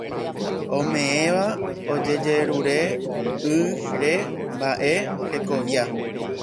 ome'ẽva ojejerure'ỹre mba'e hekovia